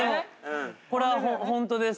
これはホントです。